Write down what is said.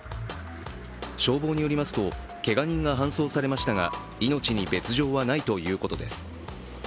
消防によりますとけが人が搬送されましたが命に別状はないということです。